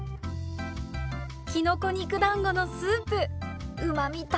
きのこ肉だんごのスープうまみ